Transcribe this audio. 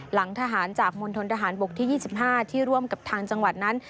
หลังทหารจากมณฑนทหารบกที่๒๕ที่ร่วมกับทางจังหวัดนั้น